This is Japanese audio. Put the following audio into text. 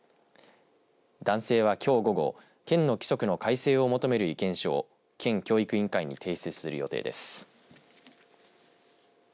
男性は、きょう午後県の規則の改正を求める意見書を県教育委員会に提出する予定です。